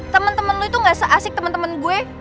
temen temen lo itu gak seasik temen temen gue